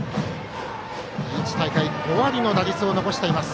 愛知大会５割の打率を残しています。